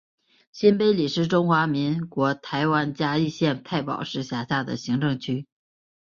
新埤里是中华民国台湾嘉义县太保市辖下的行政区。